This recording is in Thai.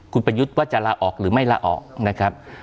คุณประยุทธ์ว่าจะลาออกหรือไม่ลาออกนะครับ